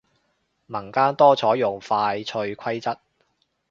民間多採用快脆規則